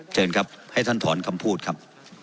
เชิญครับให้ท่านถอนคำพูดครับ